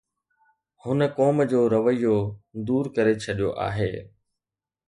هن قوم جو رويو دور ڪري ڇڏيو آهي.